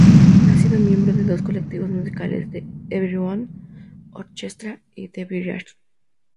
Ha sido miembro de dos colectivos musicales, The Everyone Orchestra y The Village.